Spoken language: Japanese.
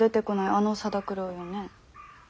あの定九郎よね？